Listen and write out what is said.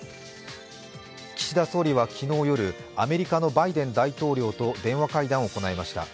岸田総理は昨日夜アメリカのバイデン大統領と電話会談を行いました。